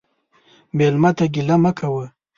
مېلمه ته ګیله مه کوه.